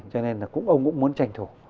cho nên là ông cũng muốn tranh thủ